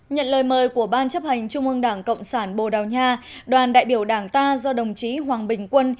nhận lời mời của ban chấp hành trung ương đảng cộng sản bồ đào nha đoàn đại biểu đảng ta do đồng chí hoàng bình quân